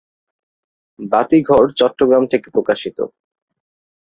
বাতিঘর চট্টগ্রাম থেকে প্রকাশিত।